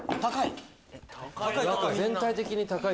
高い！